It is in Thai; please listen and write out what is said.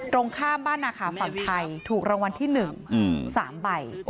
ตรงข้ามบ้านนาขาฝั่งไทยถูกรางวัลที่๑๓ใบ